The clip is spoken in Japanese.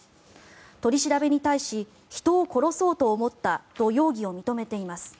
取り調べに対し人を殺そうと思ったと容疑を認めています。